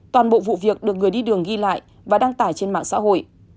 toàn bộ vụ việc được người đi đường ghi lại và đăng tải trên mạng xã hội